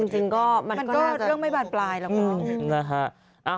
จริงก็มันก็น่าจะเรื่องไม่บาดปลายแล้วป่าว